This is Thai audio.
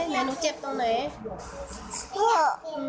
หนูเจ็บตรงไหน